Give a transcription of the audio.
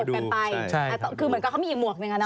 คือเหมือนกับเขามีอีกหมวกนึงเนาะ